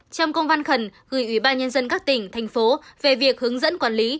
trong công văn khẩn gửi ủy ban nhân dân các tỉnh thành phố về việc hướng dẫn quản lý